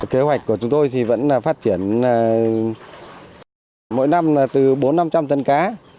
kế hoạch của chúng tôi thì vẫn là phát triển mỗi năm từ bốn trăm linh năm trăm linh tấn cá